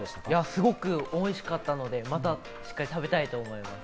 すごく美味しかったので、またしっかり食べたいと思います。